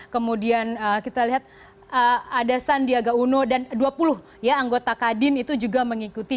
kemudian kita lihat ada sandiaga uno dan dua puluh ya anggota kadin itu juga mengikuti